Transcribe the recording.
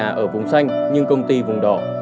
không phải là ở vùng xanh nhưng công ty vùng đỏ